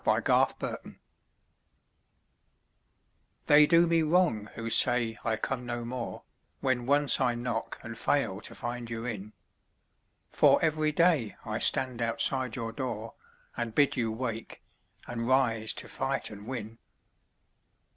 OPPORTUNITY They do me wrong who say I come no more When once I knock and fail to find you in ; For every day I stand outside your door, And bid you wake, and rise to fight and win.